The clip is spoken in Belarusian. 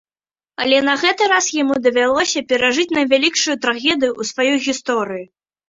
Але на гэты раз яму давялося перажыць найвялікшую трагедыю ў сваёй гісторыі.